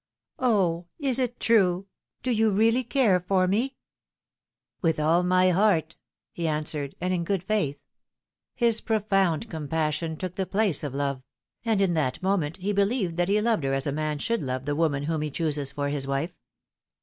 O, is it true ? do you really care for me ?"" With all my heart," he answered, and in good faith. His profound compassion took the place of love ; and in that moment he believed that he loved her as a man should love the woman whom he chooses for his wife.